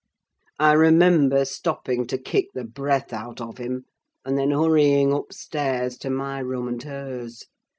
I remember stopping to kick the breath out of him, and then hurrying upstairs, to my room and hers.